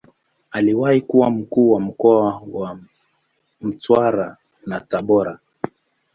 Aliwahi kuwa Mkuu wa mkoa wa Mtwara na Tabora.